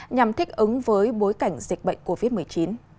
nhằm thích ứng với bối cảnh dịch bệnh covid một mươi chín